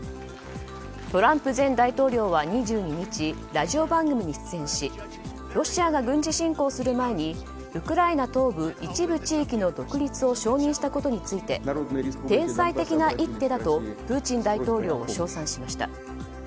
トランプ前大統領は２２日ラジオ番組に出演しロシアが軍事侵攻する前にウクライナ東部一部地域の独立を承認したことについて天才的な一手だとプーチン大統領を称賛しました。